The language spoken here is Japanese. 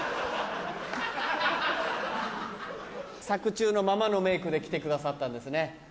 作中のままのメイクで来てくださったんですね。